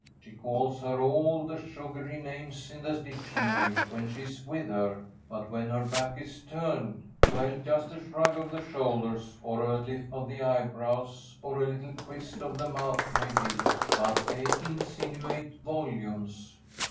She calls her all the sugary names in the dictionary when she's with her, but when her back is turned well, it's just a shrug of the shoulders or a lift of the eyebrows or a little twist of the mouth maybe, but they insinuate volumes.